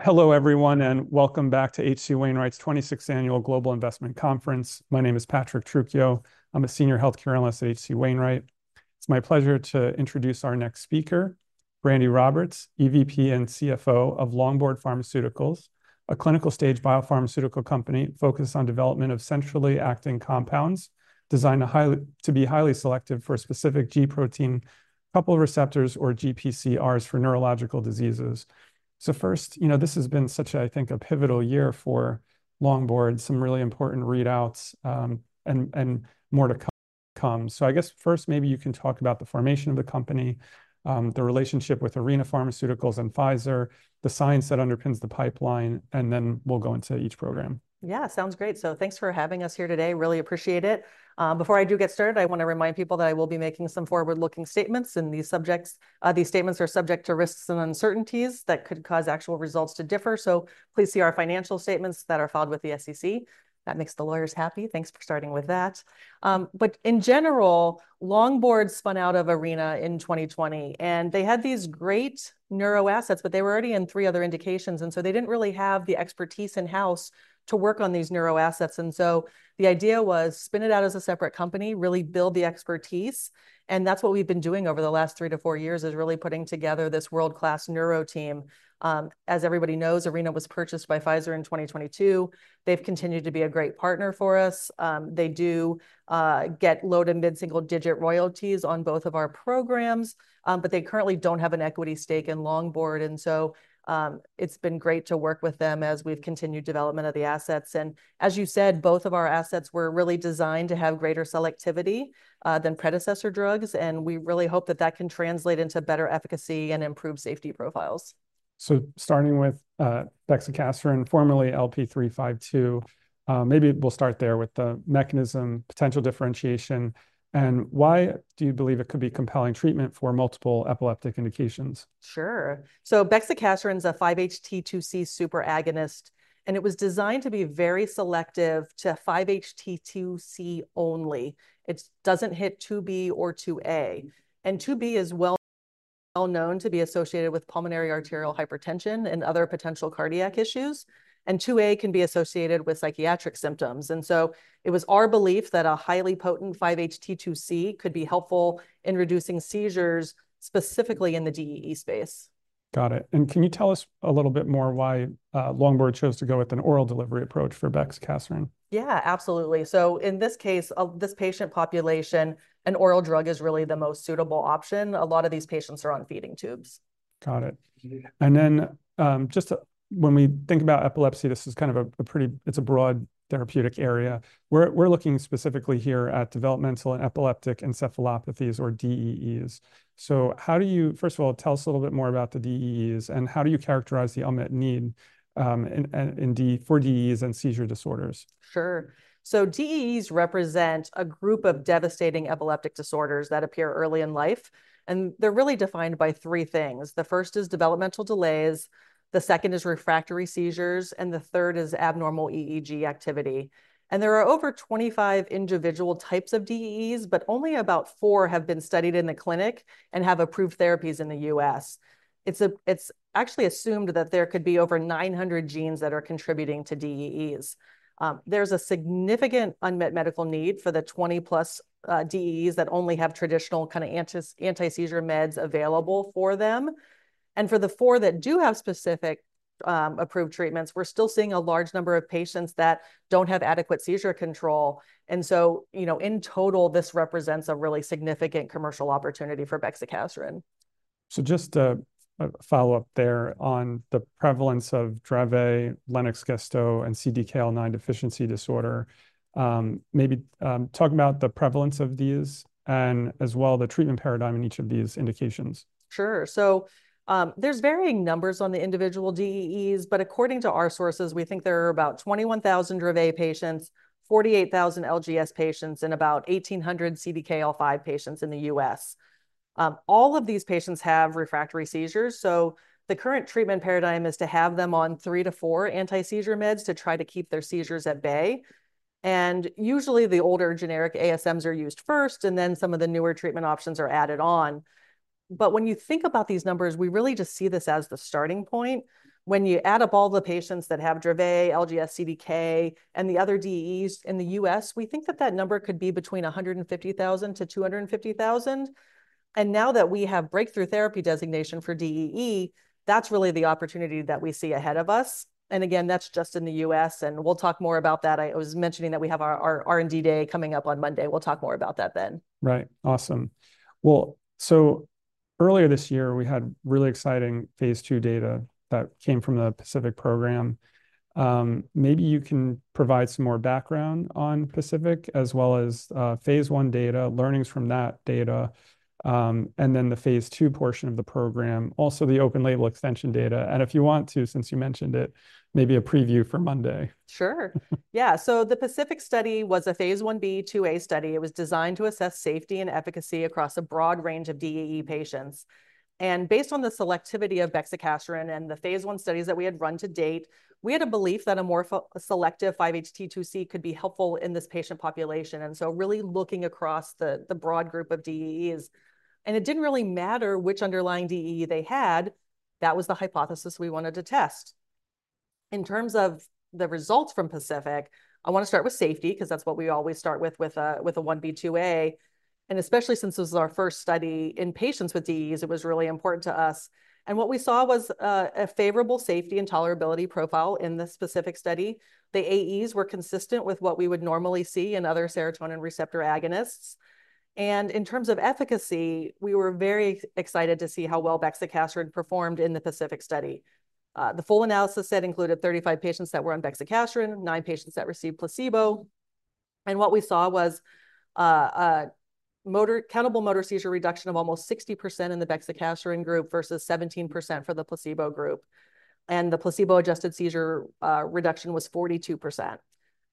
Hello, everyone, and welcome back to H.C. Wainwright's 26th Annual Global Investment Conference. My name is Patrick Trucchio. I'm a senior healthcare analyst at H.C. Wainwright. It's my pleasure to introduce our next speaker, Brandi Roberts, EVP and CFO of Longboard Pharmaceuticals, a clinical-stage biopharmaceutical company focused on development of centrally acting compounds designed to be highly selective for specific G protein-coupled receptors, or GPCRs, for neurological diseases. So first, you know, this has been such a, I think, a pivotal year for Longboard, some really important readouts, and more to come. So I guess first, maybe you can talk about the formation of the company, the relationship with Arena Pharmaceuticals and Pfizer, the science that underpins the pipeline, and then we'll go into each program. Yeah, sounds great. So thanks for having us here today. Really appreciate it. Before I do get started, I wanna remind people that I will be making some forward-looking statements, and these statements are subject to risks and uncertainties that could cause actual results to differ. So please see our financial statements that are filed with the SEC. That makes the lawyers happy. Thanks for starting with that. But in general, Longboard spun out of Arena in 2020, and they had these great neuro assets, but they were already in three other indications, and so they didn't really have the expertise in-house to work on these neuro assets. And so the idea was spin it out as a separate company, really build the expertise, and that's what we've been doing over the last three to four years, is really putting together this world-class neuro team. As everybody knows, Arena was purchased by Pfizer in 2022. They've continued to be a great partner for us. They do get low- to mid-single-digit royalties on both of our programs, but they currently don't have an equity stake in Longboard, and so, it's been great to work with them as we've continued development of the assets. And as you said, both of our assets were really designed to have greater selectivity than predecessor drugs, and we really hope that that can translate into better efficacy and improved safety profiles. So starting with bexicaserin, formerly LP352, maybe we'll start there with the mechanism, potential differentiation, and why do you believe it could be compelling treatment for multiple epileptic indications? Sure, so bexicaserin's a 5-HT2C super agonist, and it was designed to be very selective to 5-HT2C only. It doesn't hit 2B or 2A, and 2B is well known to be associated with pulmonary arterial hypertension and other potential cardiac issues, and 2A can be associated with psychiatric symptoms, and so it was our belief that a highly potent 5-HT2C could be helpful in reducing seizures, specifically in the DEE space. Got it. And can you tell us a little bit more why Longboard chose to go with an oral delivery approach for bexicaserin? Yeah, absolutely. So in this case, this patient population, an oral drug is really the most suitable option. A lot of these patients are on feeding tubes. Got it. And then, just when we think about epilepsy, this is kind of a pretty. It's a broad therapeutic area. We're looking specifically here at developmental and epileptic encephalopathies, or DEEs. So how do you. First of all, tell us a little bit more about the DEEs, and how do you characterize the unmet need, and for DEEs and seizure disorders? Sure. So DEEs represent a group of devastating epileptic disorders that appear early in life, and they're really defined by three things. The first is developmental delays, the second is refractory seizures, and the third is abnormal EEG activity. And there are over twenty-five individual types of DEEs, but only about four have been studied in the clinic and have approved therapies in the U.S. It's actually assumed that there could be over nine hundred genes that are contributing to DEEs. There's a significant unmet medical need for the 20+ DEEs that only have traditional kinda anti-seizure meds available for them. And for the four that do have specific approved treatments, we're still seeing a large number of patients that don't have adequate seizure control. And so, you know, in total, this represents a really significant commercial opportunity for bexicaserin. So just a follow-up there on the prevalence of Dravet, Lennox-Gastaut, and CDKL5 deficiency disorder. Maybe talk about the prevalence of these and, as well, the treatment paradigm in each of these indications. Sure. So, there's varying numbers on the individual DEEs, but according to our sources, we think there are about 21,000 Dravet patients, 48,000 LGS patients, and about 1,800 CDKL5 patients in the U.S. All of these patients have refractory seizures, so the current treatment paradigm is to have them on three to four anti-seizure meds to try to keep their seizures at bay. And usually, the older generic ASMs are used first, and then some of the newer treatment options are added on. But when you think about these numbers, we really just see this as the starting point. When you add up all the patients that have Dravet, LGS, CDKL5, and the other DEEs in the U.S., we think that that number could be between 150,000-250,000. Now that we have breakthrough therapy designation for DEE, that's really the opportunity that we see ahead of us. Again, that's just in the U.S., and we'll talk more about that. I was mentioning that we have our R&D day coming up on Monday. We'll talk more about that then. Right. Awesome. Well, so earlier this year, we had really exciting phase II data that came from the PACIFIC program. Maybe you can provide some more background on PACIFIC, as well as phase I data, learnings from that data, and then the phase II portion of the program, also the open label extension data, and if you want to, since you mentioned it, maybe a preview for Monday. Sure. Yeah, so the PACIFIC study was a phase Ib/IIa study. It was designed to assess safety and efficacy across a broad range of DEE patients. Based on the selectivity of bexicaserin and the phase I studies that we had run to date, we had a belief that a more selective 5-HT2C could be helpful in this patient population, and so really looking across the broad group of DEEs. It didn't really matter which underlying DEE they had. That was the hypothesis we wanted to test. In terms of the results from PACIFIC, I wanna start with safety, 'cause that's what we always start with, with a Ib/IIa. Especially since this is our first study in patients with DEEs, it was really important to us. And what we saw was, a favorable safety and tolerability profile in this specific study. The AEs were consistent with what we would normally see in other serotonin receptor agonists. And in terms of efficacy, we were very excited to see how well bexicaserin performed in the PACIFIC study. The full analysis set included 35 patients that were on bexicaserin, nine patients that received placebo, and what we saw was, a countable motor seizure reduction of almost 60% in the bexicaserin group versus 17% for the placebo group. And the placebo-adjusted seizure reduction was 42%.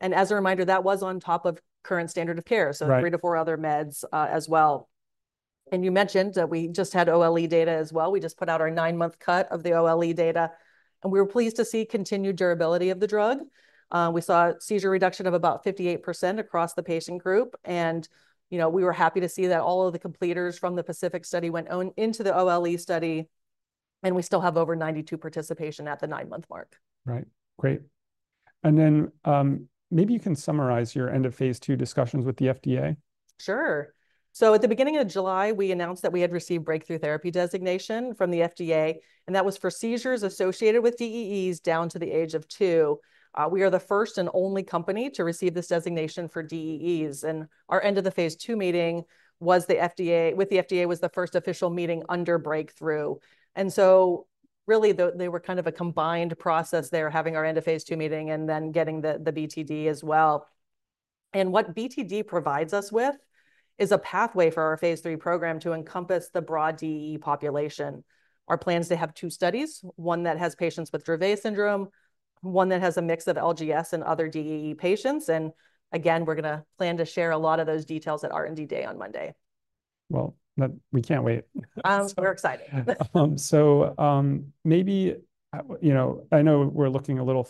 And as a reminder, that was on top of current standard of care, so three to four other meds as well. You mentioned that we just had OLE data as well. We just put out our nine-month cut of the OLE data, and we were pleased to see continued durability of the drug. We saw a seizure reduction of about 58% across the patient group, and, you know, we were happy to see that all of the completers from the PACIFIC study went on into the OLE study, and we still have over 92% participation at the nine-month mark. Right. Great. And then, maybe you can summarize your end-of-phase IIdiscussions with the FDA? Sure. At the beginning of July, we announced that we had received breakthrough therapy designation from the FDA, and that was for seizures associated with DEEs down to the age of two. We are the first and only company to receive this designation for DEEs, and our end-of-phase II meeting with the FDA was the first official meeting under breakthrough. Really, though they were kind of a combined process there, having our end-of-phase II meeting and then getting the BTD as well. What BTD provides us with is a pathway for our phase III program to encompass the broad DEE population. Our plan is to have two studies: one that has patients with Dravet syndrome, one that has a mix of LGS and other DEE patients, and again, we're gonna plan to share a lot of those details at R&D Day on Monday. We can't wait. We're excited. So, maybe, you know, I know we're looking a little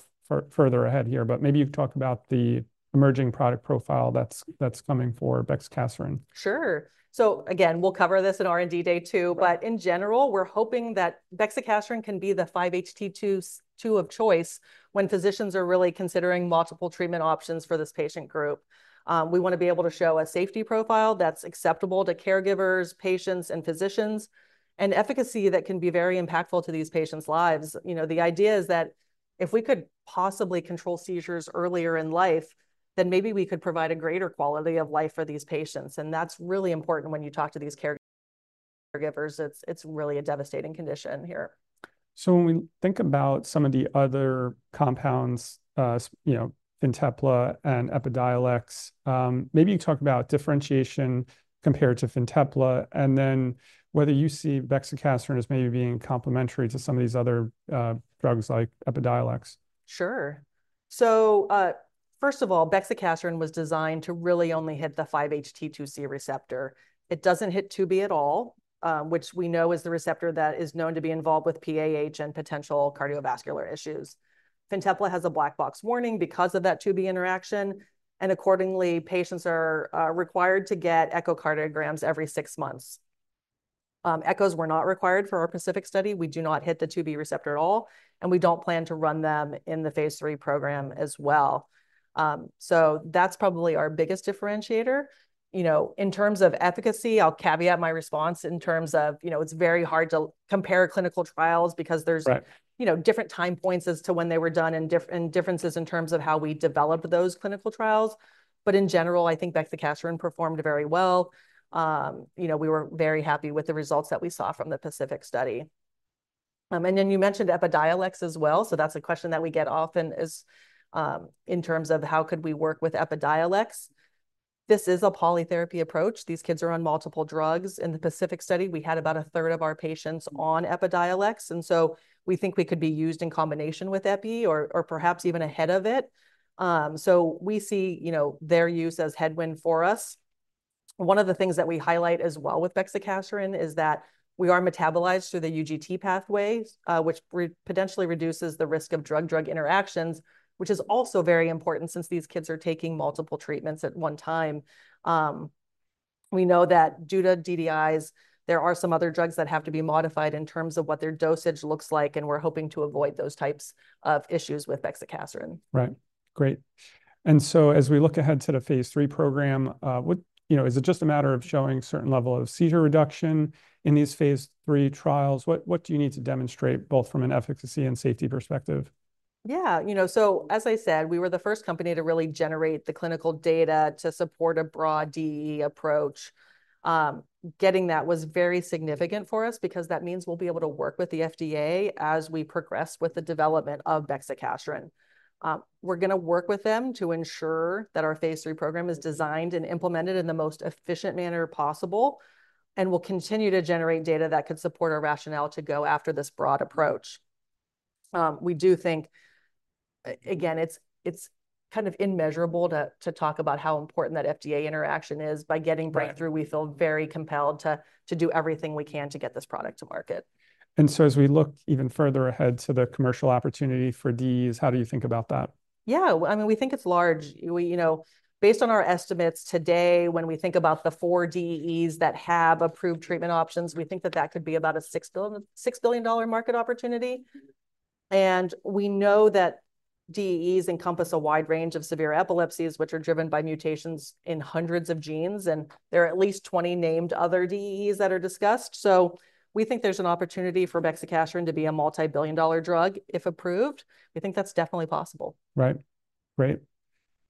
further ahead here, but maybe you could talk about the emerging product profile that's coming for bexicaserin. Sure. So again, we'll cover this in R&D Day, too. But in general, we're hoping that bexicaserin can be the 5-HT2C of choice when physicians are really considering multiple treatment options for this patient group. We wanna be able to show a safety profile that's acceptable to caregivers, patients, and physicians, and efficacy that can be very impactful to these patients' lives. You know, the idea is that if we could possibly control seizures earlier in life, then maybe we could provide a greater quality of life for these patients, and that's really important when you talk to these caregivers. It's really a devastating condition here. So when we think about some of the other compounds, you know, Fintepla and Epidiolex, maybe you talk about differentiation compared to Fintepla, and then whether you see bexicaserin as maybe being complementary to some of these other, drugs, like Epidiolex. Sure. So, first of all, bexicaserin was designed to really only hit the 5-HT2C receptor. It doesn't hit 2B at all, which we know is the receptor that is known to be involved with PAH and potential cardiovascular issues. Fintepla has a black box warning because of that 2B interaction, and accordingly, patients are required to get echocardiograms every six months. Echoes were not required for our PACIFIC study. We do not hit the 2B receptor at all, and we don't plan to run them in the phase III program as well. So that's probably our biggest differentiator. You know, in terms of efficacy, I'll caveat my response in terms of. You know, it's very hard to compare clinical trials because there's, you know, different time points as to when they were done and differences in terms of how we develop those clinical trials. But in general, I think bexicaserin performed very well. You know, we were very happy with the results that we saw from the PACIFIC study, and then you mentioned Epidiolex as well, so that's a question that we get often, is, in terms of, how could we work with Epidiolex? This is a polytherapy approach. These kids are on multiple drugs. In the PACIFIC study, we had about a third of our patients on Epidiolex, and so we think we could be used in combination with Epi or, or perhaps even ahead of it, so we see, you know, their use as headwind for us. One of the things that we highlight as well with bexicaserin is that we are metabolized through the UGT pathway, which potentially reduces the risk of drug-drug interactions, which is also very important since these kids are taking multiple treatments at one time. We know that due to DDIs, there are some other drugs that have to be modified in terms of what their dosage looks like, and we're hoping to avoid those types of issues with bexicaserin. Right. Great. And so as we look ahead to the phase III program, you know, is it just a matter of showing certain level of seizure reduction in these phase III trials? What do you need to demonstrate, both from an efficacy and safety perspective? Yeah. You know, so as I said, we were the first company to really generate the clinical data to support a broad DEE approach. Getting that was very significant for us because that means we'll be able to work with the FDA as we progress with the development of bexicaserin. We're gonna work with them to ensure that our phase III program is designed and implemented in the most efficient manner possible, and we'll continue to generate data that could support our rationale to go after this broad approach. We do think, again, it's kind of immeasurable to talk about how important that FDA interaction is. By getting breakthrough, we feel very compelled to do everything we can to get this product to market. As we look even further ahead to the commercial opportunity for DEEs, how do you think about that? Yeah, well, I mean, we think it's large. We, you know, based on our estimates today, when we think about the four DEEs that have approved treatment options, we think that that could be about a $6 billion market opportunity. And we know that DEEs encompass a wide range of severe epilepsies, which are driven by mutations in hundreds of genes, and there are at least 20 named other DEEs that are discussed. So we think there's an opportunity for bexicaserin to be a multi-billion dollar drug if approved. We think that's definitely possible. Right. Great.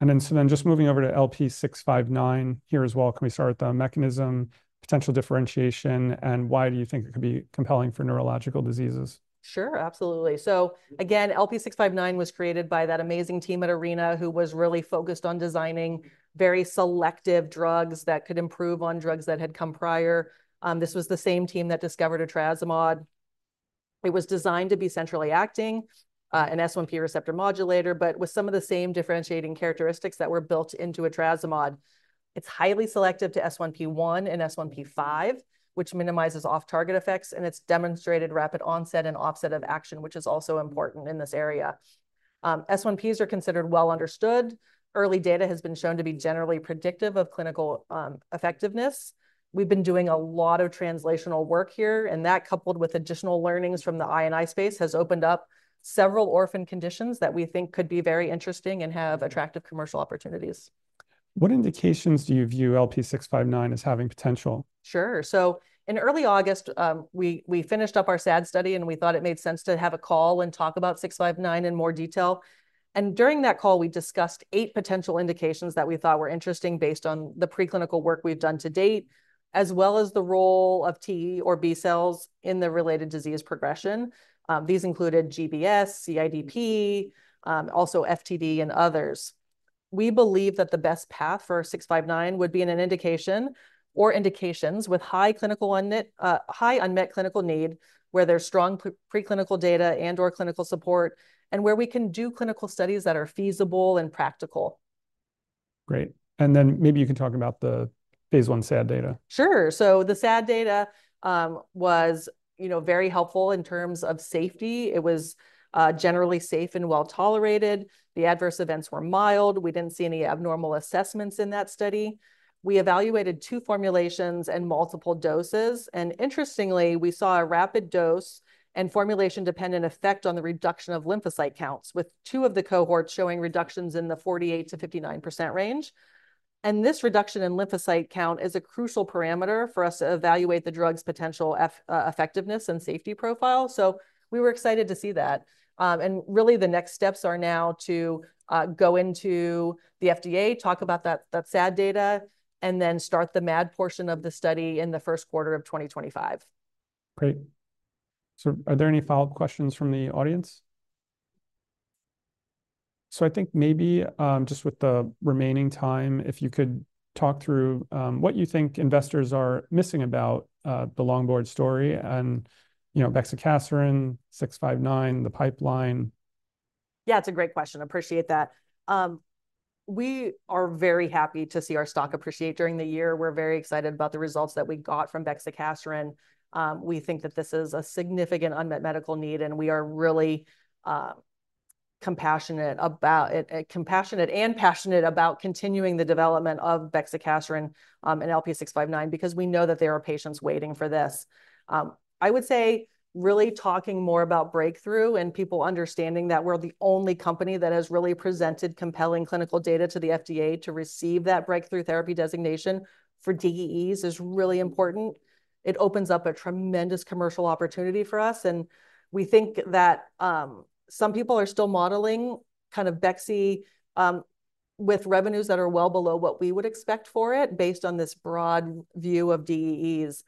And then, so then just moving over to LP659 here as well, can we start with the mechanism, potential differentiation, and why do you think it could be compelling for neurological diseases? Sure, absolutely. So again, LP659 was created by that amazing team at Arena, who was really focused on designing very selective drugs that could improve on drugs that had come prior. This was the same team that discovered etrasimod. It was designed to be centrally acting, an S1P receptor modulator, but with some of the same differentiating characteristics that were built into etrasimod. It's highly selective to S1P1 and S1P5, which minimizes off-target effects, and it's demonstrated rapid onset and offset of action, which is also important in this area. S1Ps are considered well understood. Early data has been shown to be generally predictive of clinical effectiveness. We've been doing a lot of translational work here, and that, coupled with additional learnings from the I&I space, has opened up several orphan conditions that we think could be very interesting and have attractive commercial opportunities. What indications do you view LP659 as having potential? Sure. So in early August, we finished up our SAD study, and we thought it made sense to have a call and talk about 659 in more detail. And during that call, we discussed eight potential indications that we thought were interesting based on the preclinical work we've done to date, as well as the role of T or B cells in the related disease progression. These included GBS, CIDP, also FTD, and others. We believe that the best path for 659 would be in an indication or indications with high unmet clinical need, where there's strong preclinical data and/or clinical support, and where we can do clinical studies that are feasible and practical. Great. And then maybe you can talk about the phase I SAD data. Sure. So the SAD data was, you know, very helpful in terms of safety. It was generally safe and well-tolerated. The adverse events were mild. We didn't see any abnormal assessments in that study. We evaluated two formulations and multiple doses, and interestingly, we saw a rapid dose and formulation-dependent effect on the reduction of lymphocyte counts, with two of the cohorts showing reductions in the 48%-59% range. And this reduction in lymphocyte count is a crucial parameter for us to evaluate the drug's potential effectiveness and safety profile, so we were excited to see that. And really, the next steps are now to go into the FDA, talk about that SAD data, and then start the MAD portion of the study in the first quarter of 2025. Great. So are there any follow-up questions from the audience? So I think maybe, just with the remaining time, if you could talk through, what you think investors are missing about, the Longboard story and, you know, bexicaserin, 659, the pipeline. Yeah, it's a great question. Appreciate that. We are very happy to see our stock appreciate during the year. We're very excited about the results that we got from bexicaserin. We think that this is a significant unmet medical need, and we are really compassionate about it and passionate about continuing the development of bexicaserin and LP659, because we know that there are patients waiting for this. I would say really talking more about breakthrough and people understanding that we're the only company that has really presented compelling clinical data to the FDA to receive that breakthrough therapy designation for DEEs is really important. It opens up a tremendous commercial opportunity for us, and we think that some people are still modeling kind of bexicaserin with revenues that are well below what we would expect for it based on this broad view of DEEs.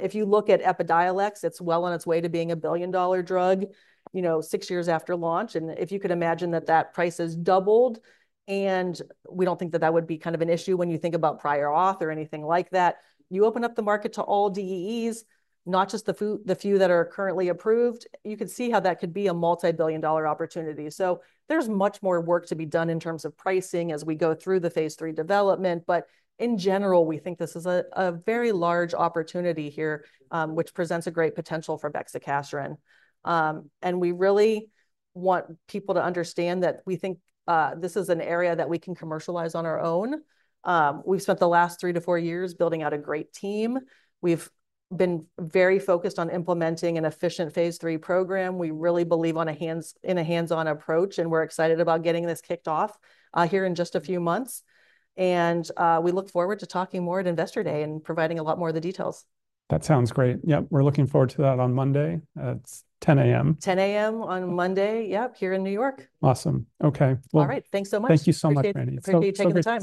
If you look at Epidiolex, it's well on its way to being a billion-dollar drug, you know, six years after launch, and if you could imagine that that price has doubled, and we don't think that that would be kind of an issue when you think about prior auth or anything like that. You open up the market to all DEEs, not just the few that are currently approved, you could see how that could be a multi-billion dollar opportunity. There's much more work to be done in terms of pricing as we go through the phase III development, but in general, we think this is a very large opportunity here, which presents a great potential for bexicaserin, and we really want people to understand that we think this is an area that we can commercialize on our own. We've spent the last three to four years building out a great team. We've been very focused on implementing an efficient phase III program. We really believe in a hands-on approach, and we're excited about getting this kicked off here in just a few months, and we look forward to talking more at Investor Day and providing a lot more of the details. That sounds great. Yep, we're looking forward to that on Monday. It's 10:00 A.M. 10:00 A.M. on Monday, yep, here in New York. Awesome. Okay, well. All right. Thanks so much. Thank you so much, Brandi. Appreciate you taking the time.